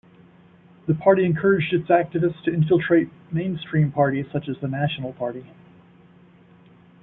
The party encouraged its activists to infiltrate mainstream parties such as the National Party.